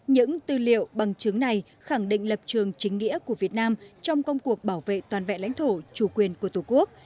những tư liệu bằng chứng này khẳng định lập trường chính nghĩa của việt nam trong công cuộc bảo vệ toàn vẹn lãnh thổ chủ quyền của tổ quốc